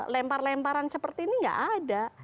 lempar lemparan seperti ini nggak ada